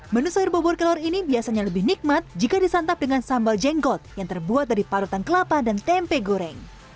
menu sayur bobor kelor ini biasanya lebih nikmat jika disantap dengan sambal jenggot yang terbuat dari parutan kelapa dan tempe goreng